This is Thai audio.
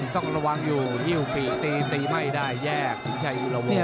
ต้องระวังอยู่ที่หูปีกตีตีไม่ได้แยกสิงชัยอิราโว